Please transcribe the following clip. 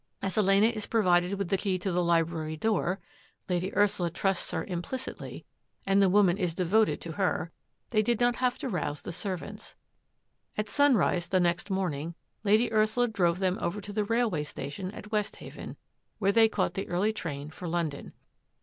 As Elena is provided with the key to the library door — Lady Ursula trusts her implicitly and the woman is devoted to her — they did not have to rouse the servants. At sun rise the next morning Lady Ursula drove them over to the railway station at Westhaven, where they caught the early train for London.